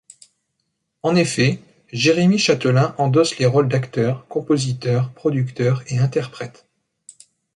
En effet, Jérémy Chatelain endosse les rôles d'auteur, compositeur, producteur et interprète.